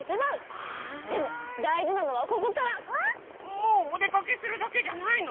もうお出かけするだけじゃないの？